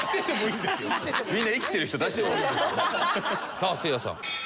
さあせいやさん。